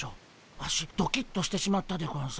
ワシドキッとしてしまったでゴンス。